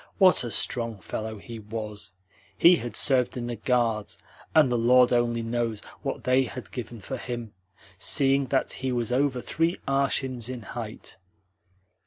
What a strong fellow he was! He had served in the Guards, and the Lord only knows what they had given for him, seeing that he was over three arshins in height."